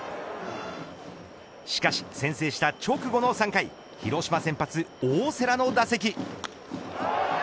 しかし、先制した直後の３回広島先発、大瀬良の打席。